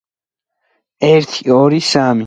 მდებარეობს ტურისა და ტრის მყინვარებს შორის.